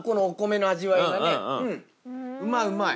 うまいうまい！